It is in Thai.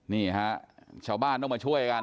นี่ฮะชาวบ้านต้องมาช่วยกัน